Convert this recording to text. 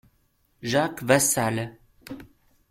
Jacques Vassal.